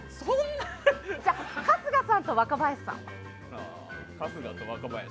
じゃあ春日さんと若林さん。